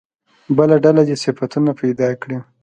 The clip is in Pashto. بله ډله دې صفتونه پیدا کړي.